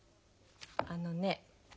あのね